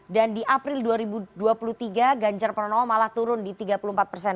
dan di april dua ribu dua puluh tiga ganjar pranowo malah turun di tiga puluh empat persen